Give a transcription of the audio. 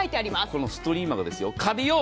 このストリーマがカビを。